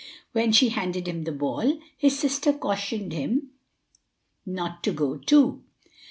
When she handed him the ball, his sister cautioned him not to go too.